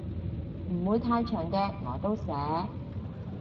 唔會太長嘅我都寫